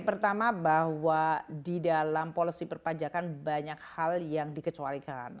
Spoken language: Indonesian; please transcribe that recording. pertama bahwa di dalam policy perpajakan banyak hal yang dikecualikan